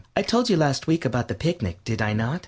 I told you last week about the picnic, did I not?